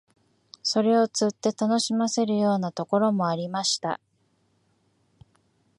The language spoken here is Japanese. それを釣って楽しませるようなところもありました